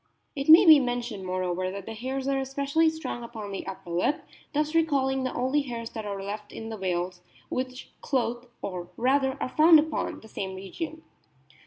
It may be mentioned, moreover, that the hairs are especially strong upon the upper lip, thus recalling the only hairs that are left in the whales, which clothe, or rather are found upon, the same region.